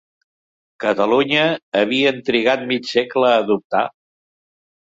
Catalunya havien trigat mig segle a adoptar?